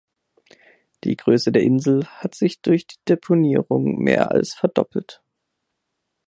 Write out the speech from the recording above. Die Größe der Insel hat sich durch die Deponierung mehr als verdoppelt.